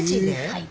はい。